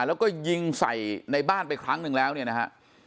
แล้วก็ยิงใส่ในบ้านไปครั้งหนึ่งแล้วเนี่ยนะฮะ